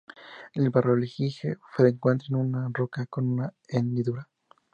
El bajorrelieve se encuentra en una roca con una hendidura.